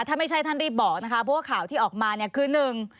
ถ้าไม่ใช่ท่านรีบบอกนะคะเพราะว่าข่าวที่ออกมาคือ